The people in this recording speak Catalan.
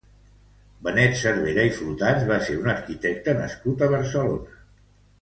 Benet Cervera i Flotats va ser un arquitecte nascut a Barcelona.